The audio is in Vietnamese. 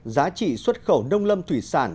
giá trị xuất khẩu nông lâm thủy sản